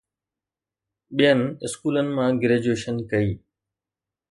ٻين اسڪولن مان گريجوئيشن ڪئي؟